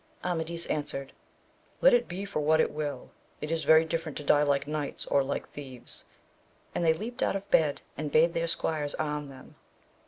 Amadis answered, let it be for what it will it is very different to die like knights or like thieves, and they leaped out of bed and bade their squires arm them.